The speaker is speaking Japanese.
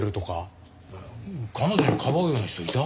彼女にかばうような人いた？